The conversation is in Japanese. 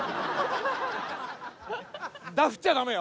ダフっちゃダメよ？